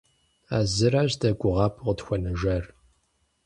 А зыращ дэ гугъапӀэу къытхуэнэжар.